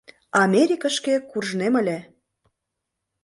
Америкышке куржнем ыле.